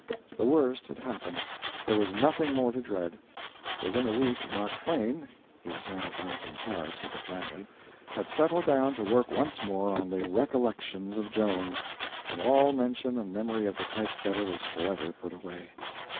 The worst had happened; there was nothing more to dread. Within a week Mark Twain (he was now back in Paris with the family) had settled down to work once more on the "Recollections of Joan," and all mention and memory of the type setter was forever put away.